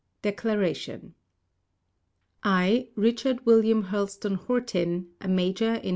Declaration I, Richard William Hurlstone Hortin, a Major in H.